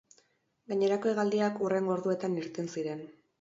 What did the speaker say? Gainerako hegaldiak hurrengo orduetan irten ziren.